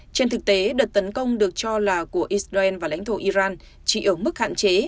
trên thực tế đợt tấn công được cho là của israel và lãnh thổ iran chỉ ở mức hạn chế